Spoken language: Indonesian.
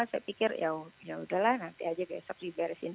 saya pikir yaudahlah nanti aja besok diberesin